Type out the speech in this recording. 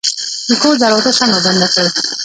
د کور دروازه سمه بنده کړئ